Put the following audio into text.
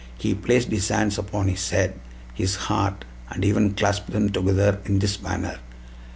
He placed his hands upon his head, his heart, and even clasped them together in this manner."